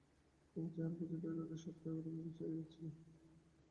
আমার চেহারা পর্যন্ত ঐ রুটের সব ড্রাইভারদের মুখস্থ হয়ে যাচ্ছিল।